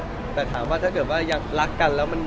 พี่พอร์ตทานสาวใหม่พี่พอร์ตทานสาวใหม่พี่พอร์ตทานสาวใหม่